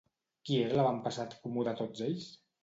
Qui era l'avantpassat comú de tots ells?